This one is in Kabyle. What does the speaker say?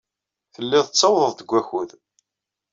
Tellid tettawḍed-d deg wakud.